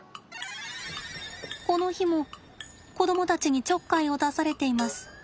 この日も子供たちにちょっかいを出されています。